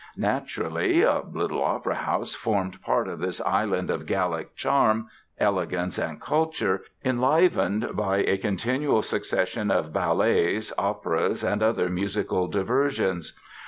Naturally, a little opera house formed part of this island of Gallic charm, elegance and culture, enlivened by a continual succession of ballets, operas, and other musical diversions.